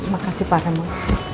makasih pak ramon